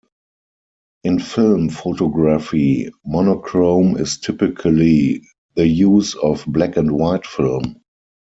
In film photography, monochrome is typically the use of black-and-white film.